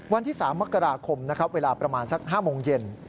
วันที่๓มกราคมนะครับเวลาประมาณสัก๕โมงเย็น